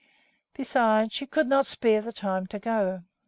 Besides, she could not spare the time to go.